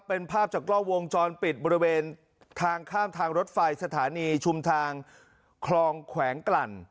เป็นภาพจากกล้องวงจรปิดบริเวณทางข้ามทางรถไฟสถานีชุมทางคลองแขวงกลั่น